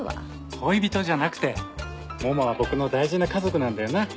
恋人じゃなくてモモは僕の大事な家族なんだよな。